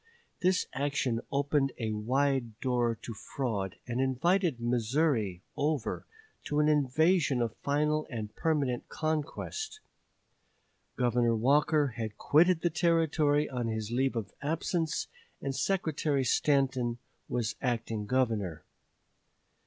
This action opened a wide door to fraud, and invited Missouri over to an invasion of final and permanent conquest. Governor Walker had quitted the Territory on his leave of absence, and Secretary Stanton was acting Governor.